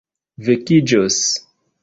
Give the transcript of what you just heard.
vekiĝos